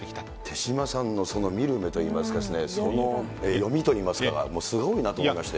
手嶋さんのその見る目といいますか、その読みといいますか、すごいなと思いましたよ。